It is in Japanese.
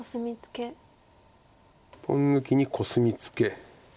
ポン抜きにコスミツケ。